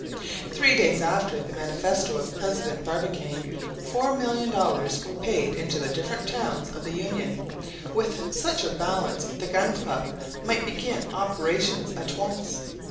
Three days after the manifesto of President Barbicane $4,000,000 were paid into the different towns of the Union. With such a balance the Gun Club might begin operations at once.